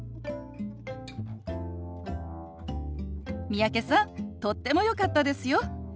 三宅さんとってもよかったですよ。